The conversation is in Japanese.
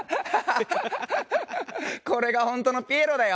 これが本当のピエロだよ。